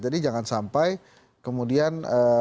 jadi jangan sampai kemudian